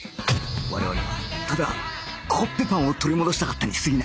我々はただコッペパンを取り戻したかったに過ぎない